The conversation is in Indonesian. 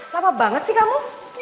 lama banget sih kamu